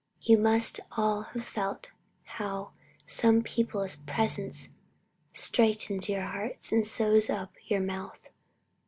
You must all have felt how some people's presence straitens your heart and sews up your mouth.